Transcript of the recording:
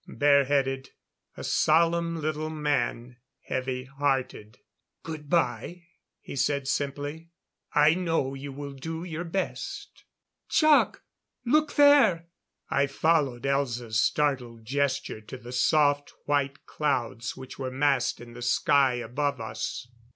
Bare headed. A solemn little man, heavy hearted. "Good by," he said simply. "I know you will do your best." "Jac! Look there!" I followed Elza's startled gesture to the soft, white clouds which were massed in the sky above us.